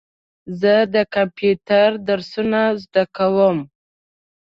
زه د کمپیوټر درسونه زده کوم.